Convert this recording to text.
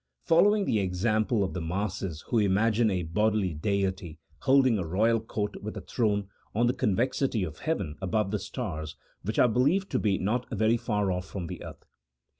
Fol lowing the example of the masses who imagine a bodily Deity, holding a royal court with a throne on the convexity of heaven, above the stars, which are believed to be not wery far off from the earth.